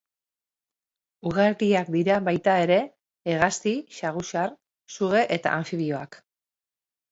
Ugariak dira, baita ere, hegazti, saguzar, suge eta anfibioak.